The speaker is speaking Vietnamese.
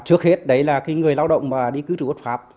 trước hết đấy là cái người lao động mà đi cư trụ quốc pháp